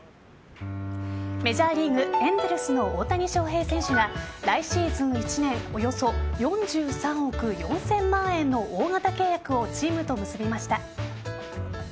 メジャーリーグエンゼルスの大谷翔平選手が来シーズン１年およそ４３億４０００万円の大型契約をチームと結びました。